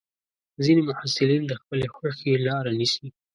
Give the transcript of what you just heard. ځینې محصلین د خپلې خوښې لاره نیسي.